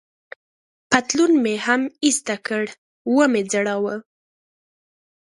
پتلون مې هم ایسته کړ، و مې ځړاوه.